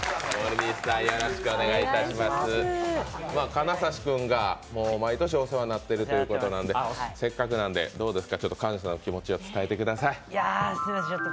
金指君が毎年お世話になってるということなのでせっかくなんで、どうですか感謝の気持ちを伝えてください。